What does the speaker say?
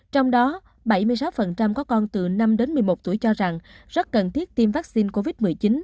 trong đó bảy mươi sáu có con từ năm đến một mươi một tuổi cho rằng rất cần thiết tiêm vaccine covid một mươi chín